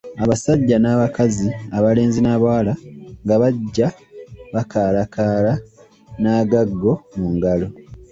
Abasajja n’abakazi, abalenzi n’abawala nga bajja bakaalakaala n’agaggo mu ngalo.